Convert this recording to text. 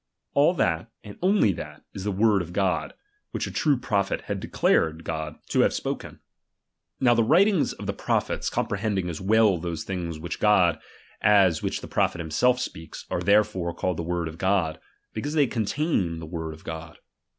All that, and only that, is the word of God, which a true prophet hath declared God 236 RELIGION. . xvr. to have spoken. Now the writings of the pro l^^'^li phets, comprehendmg as well those things which is Bnii God, as which the prophet himself speaks, are therefore called the word of God, because they con tain the word of God.